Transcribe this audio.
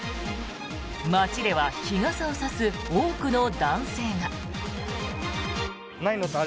街では日傘を差す多くの男性が。